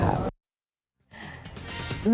ครับสวัสดีครับ